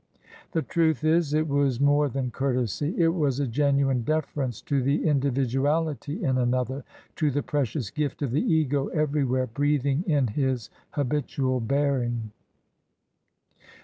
The truth is, it was more than courtesy: it was a genuine deference to the indi viduality in another, to the precious gift of the Ego everywhere, breathing in his habitual bearing.